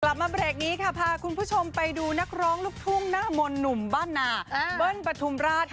กลับมาเบรกนี้ค่ะพาคุณผู้ชมไปดูนักร้องลูกทุ่งหน้ามนต์หนุ่มบ้านนาเบิ้ลปฐุมราช